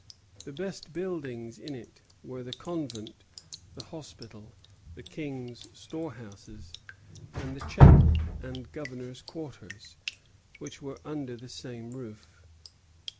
The best buildings in it were the convent, the hospital, the King's storehouses, and the chapel and governor's quarters, which were under the same roof.